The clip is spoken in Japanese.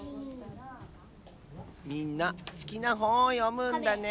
みんなすきなほんをよむんだね。